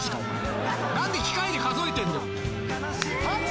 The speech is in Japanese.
何で機械で数えてんの。